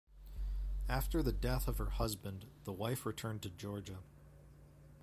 After the death of her husband, the wife returned to Georgia.